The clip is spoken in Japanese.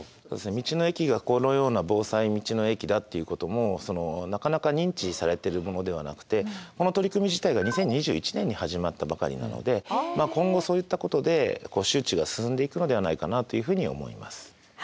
道の駅がこのような防災道の駅だっていうこともなかなか認知されてるものではなくてこの取り組み自体が２０２１年に始まったばかりなのでまあ今後そういったことで周知が進んでいくのではないかなというふうに思います。